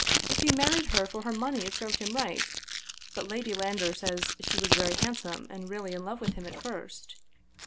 If he married her for her money it served him right, but Lady Landor says she was very handsome and really in love with him at first.